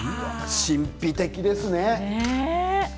神秘的ですね。